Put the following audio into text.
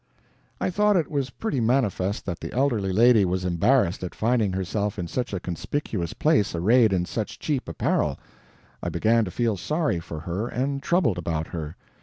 I thought it was pretty manifest that the elderly lady was embarrassed at finding herself in such a conspicuous place arrayed in such cheap apparel; I began to feel sorry for her and troubled about her.